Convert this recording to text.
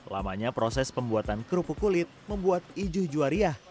lamanya proses pembuatan kerupuk kulit membuat iju juwariah